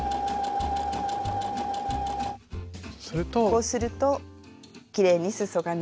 こうするときれいにすそが縫えます。